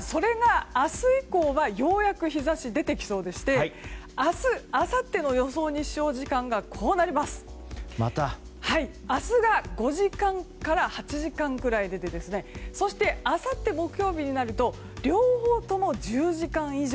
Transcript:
それが明日以降はようやく日差し、出てきそうでして明日、あさっての予想日照時間が明日が５時間から８時間くらいでそして、あさって木曜日になると両方とも１０時間以上。